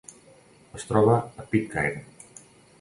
Es troba a Pitcairn.